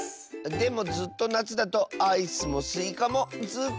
でもずっとなつだとアイスもスイカもずっとおいしいよ。